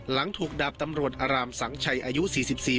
หลังถูกดาบตำรวจอารามสังชัยอายุ๔๔